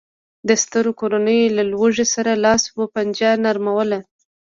د سرتېرو کورنیو له لوږې سره لاس و پنجه نرموله